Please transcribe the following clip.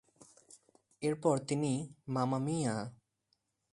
এরপর তিনি "মামা মিয়া!